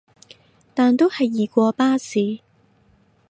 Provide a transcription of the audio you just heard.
但都係易過巴士